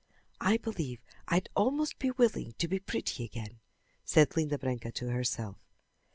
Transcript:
"I believe I'd almost be willing to be pretty again," said Linda Branca to herself.